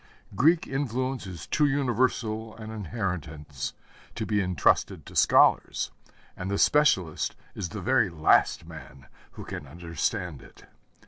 Greek influence is too universal an inheritance to be entrusted to scholars, and the specialist is the very last man who can understand it.